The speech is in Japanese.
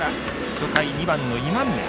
初回、２番の今宮。